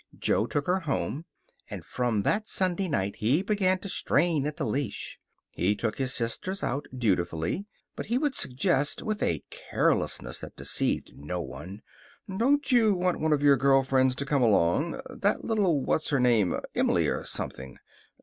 Jo took her home, and from that Sunday night he began to strain at the leash. He took his sisters out, dutifully, but he would suggest, with a carelessness that deceived no one, "Don't you want one of your girl friends to come along? That little What's her name Emily, or something.